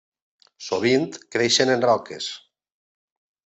Sovint creixen en roques.